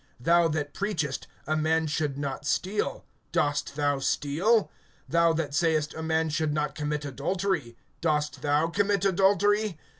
Thou that preachest, a man should not steal, dost thou steal? (22)Thou that sayest, a man should not commit adultery, dost thou commit adultery?